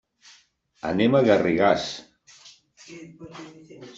Anem a Garrigàs.